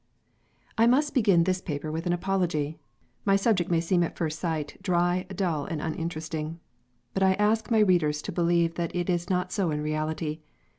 I MUST begin this paper with an apology. My subject may seem at first sight dry, dull, and uninteresting. But I ask my readers to believe that it is not so in reality.